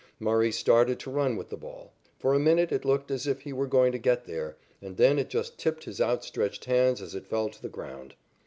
Murray started to run with the ball. For a minute it looked as if he were going to get there, and then it just tipped his outstretched hands as it fell to the ground.